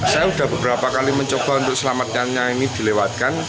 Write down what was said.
saya sudah beberapa kali mencoba untuk selamatkannya ini dilewatkan